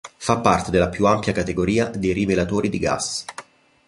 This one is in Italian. Fa parte della più ampia categoria dei rivelatori di gas.